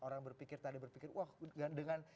orang berpikir tadi berpikir wah gak ada